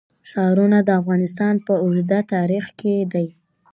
ښارونه د افغانستان په اوږده تاریخ کې دي.